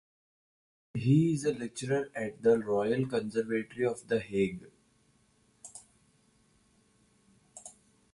He is a lecturer at the Royal Conservatory of The Hague.